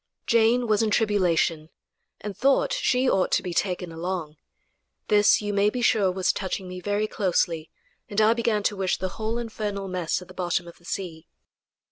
Jane was in tribulation, and thought she ought to be taken along. This, you may be sure, was touching me very closely, and I began to wish the whole infernal mess at the bottom of the sea.